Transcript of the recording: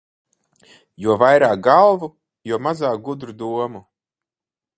Jo vairāk galvu, jo mazāk gudru domu.